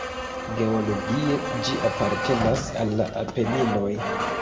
Geologie ĝi apartenas al la Apeninoj.